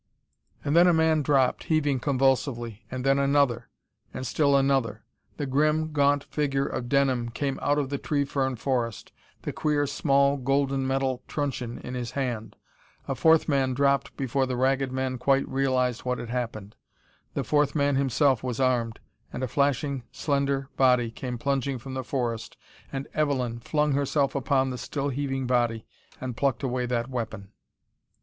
And then a man dropped, heaving convulsively, and then another, and still another.... The grim, gaunt figure of Denham came out of the tree fern forest, the queer small golden metal trunchion in his hand. A fourth man dropped before the Ragged Men quite realized what had happened. The fourth man himself was armed and a flashing slender body came plunging from the forest and Evelyn flung herself upon the still heaving body and plucked away that weapon.